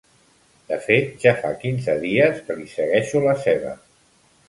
De fet, ja fa quinze dies que li segueixo la ceba.